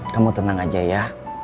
kamu tenang aja ya